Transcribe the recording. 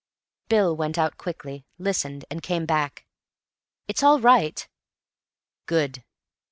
Bill went out quickly, listened, and came back. "It's all right." "Good."